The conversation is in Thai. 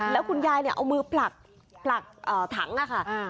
แล้วคุณยายเนี่ยเอามือผลักถังค่ะ